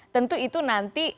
tentu itu nanti